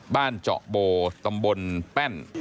บ้านเจาะโบลตำบลแป้น